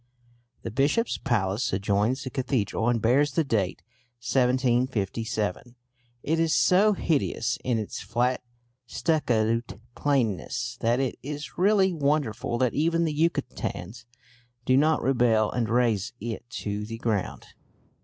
The bishop's palace adjoins the cathedral, and bears the date 1757. It is so hideous in its flat stuccoed plainness that it is really wonderful that even the Yucatecans do not rebel and raze it to the ground.